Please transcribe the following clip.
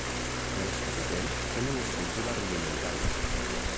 Els capitells tenen escultura rudimentària.